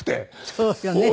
そうよね。